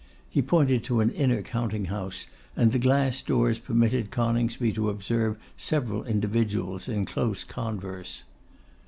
He pointed to an inner counting house, and the glass doors permitted Coningsby to observe several individuals in close converse.